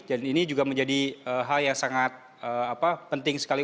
dan ini juga menjadi hal yang sangat penting sekali